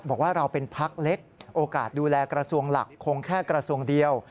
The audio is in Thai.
บอกว่าเราเป็นพักเล็กโอกาสดูแลกระทรวงหลักคงแค่กระทรวงเดียว